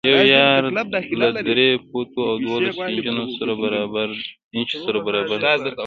یو یارډ له درې فوټو او دولس انچو سره برابر دی.